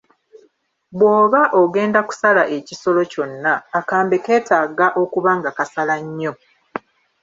Bw'oba ogenda kusala ekisolo kyonna akambe ketaaga okuba nga kasala nnyo